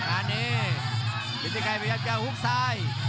อันนี้ฤทธิไกรพยายามจะฮุกซ้าย